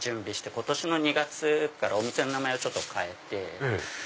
今年の２月からお店の名前を変えて。